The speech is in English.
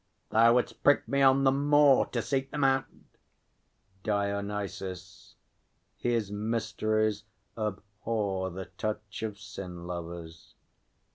Thou wouldst prick me on the more To seek them out! DIONYSUS. His mysteries abhor The touch of sin lovers.